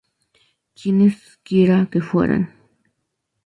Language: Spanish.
Quienes quiera que fueran.